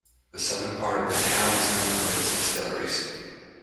The southern part of the town is known for its distilleries.